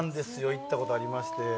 行ったことありまして。